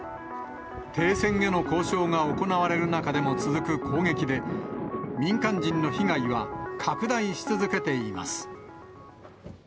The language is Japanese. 停戦への交渉が行われる中でも続く攻撃で、民間人の被害は拡大し続けています。